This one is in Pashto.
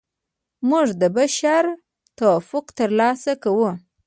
موږ د بشر توافق ترلاسه کوو.